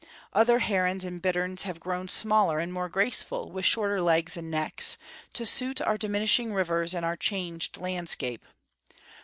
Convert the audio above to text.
Other herons and bitterns have grown smaller and more graceful, with shorter legs and necks, to suit our diminishing rivers and our changed landscape.